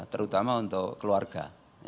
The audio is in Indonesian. terutama untuk keluarga